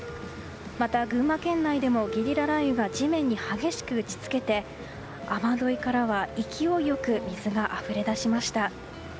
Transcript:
また、群馬県内でもゲリラ雷雨が地面に激しく打ち付けて雨どいからは勢いよく水があふれ出しました。